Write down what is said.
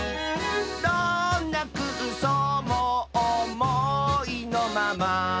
「どんなくうそうもおもいのまま」